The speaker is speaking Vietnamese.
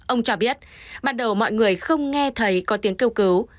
ông cho biết ban đầu mọi người không nghe thấy có tiếng kêu cứu